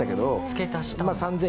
付け足したんだ。